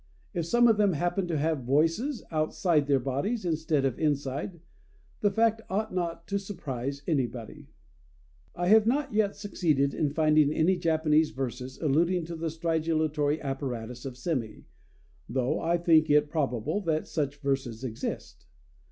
If some of them happen to have voices outside of their bodies instead of inside, the fact ought not to surprise anybody. I have not yet succeeded in finding any Japanese verses alluding to the stridulatory apparatus of sémi, though I think it probable that such verses exist.